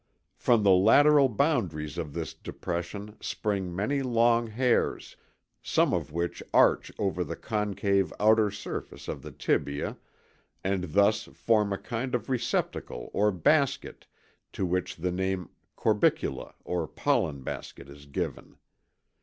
From the lateral boundaries of this depression spring many long hairs, some of which arch over the concave outer surface of the tibia and thus form a kind of receptacle or basket to which the name corbicula or pollen basket is given.